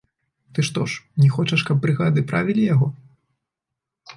Ты што ж, не хочаш, каб брыгады правілі яго?